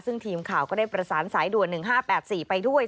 ซึ่งทีมข่าวก็ได้ประสานสายด่วน๑๕๘๔ไปด้วย